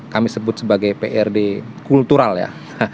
kami sebut sebagai prd kultural ya